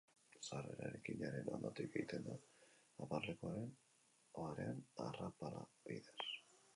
Sarrera eraikinaren ondotik egiten da, aparkalekuaren parean, arrapala bidez.